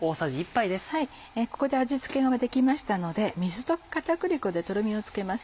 ここで味付けができましたので水溶き片栗粉でトロミをつけます。